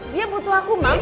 dia butuh aku mama